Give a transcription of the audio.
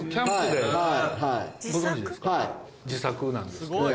自作なんですけど。